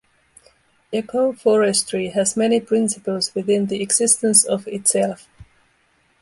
Ecoforestry has many principles within the existence of itself.